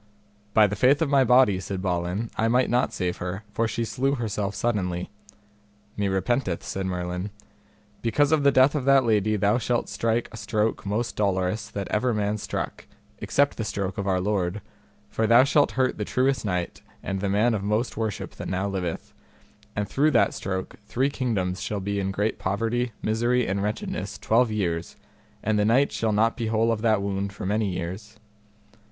By the faith of my body, said Balin, I might not save her, for she slew herself suddenly. Me repenteth, said Merlin; because of the death of that lady thou shalt strike a stroke most dolorous that ever man struck, except the stroke of our Lord, for thou shalt hurt the truest knight and the man of most worship that now liveth, and through that stroke three kingdoms shall be in great poverty, misery and wretchedness twelve years, and the knight shall not be whole of that wound for many years.